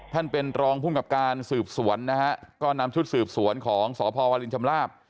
ท่านเป็นรองภูมิกับการสืบสวนนะฮะก็นำชุดสืบสวนของสพวรินชำลาบ